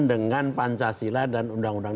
dengan pancasila dan undang undang